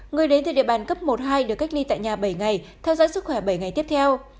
người đến từ địa bàn cấp một hai được cách ly tại nhà bảy ngày theo dõi sức khỏe bảy ngày tiếp theo